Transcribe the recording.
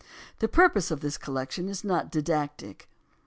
The purpose of this collection is not didactic.